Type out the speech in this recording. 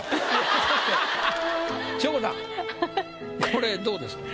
これどうですか？